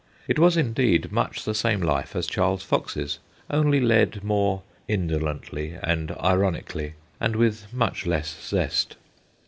It was indeed much the same life as Charles Fox's, only GEORGE SELWYN 233 led more indolently and ironically, and with much less zest.